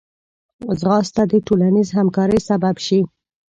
ځغاسته د ټولنیز همکارۍ سبب شي